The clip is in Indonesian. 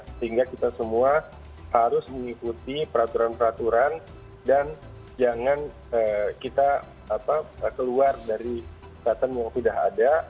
sehingga kita semua harus mengikuti peraturan peraturan dan jangan kita keluar dari kekuatan yang sudah ada